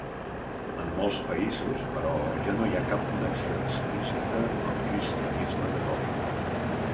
En molts països, però, ja no hi ha cap connexió explícita al cristianisme catòlic.